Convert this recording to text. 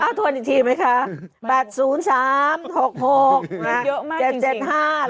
เอาทวนอีกทีไหมคะแบบศูนย์สามหกหกเยอะมากจริงจริงเจ็ดเจ็ดห้า